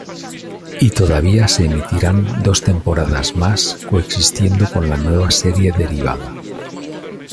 Y todavía se emitirían dos temporadas más coexistiendo con la nueva serie derivada.